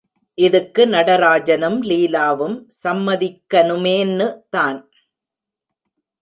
இதுக்கு நடராஜனும் லீலாவும் சம்மதிக்கனுமேன்னு தான்.